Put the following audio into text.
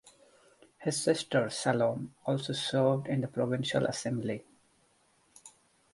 His sister Salome also served in the provincial assembly.